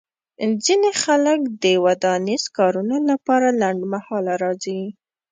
ځینې خلک د ودانیزو کارونو لپاره لنډمهاله راځي